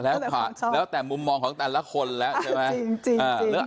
แล้วแต่ความชอบแล้วแต่มุมมองของแต่ละคนแล้วใช่ไหมจริงจริง